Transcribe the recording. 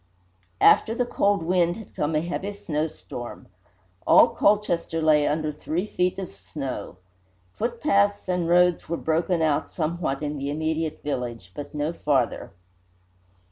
After the cold wind had come a heavy snowstorm. All Colchester lay under three feet of snow. Footpaths and roads were broken out somewhat in the immediate village, but no farther.